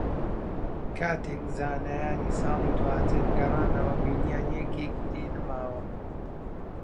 کاتێک زانایان ساڵی داواتر گەڕانەوە، بینییان یەکێکی لێ نەماوە